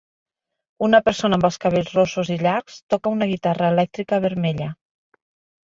Una persona amb els cabells rossos i llargs toca una guitarra elèctrica vermella.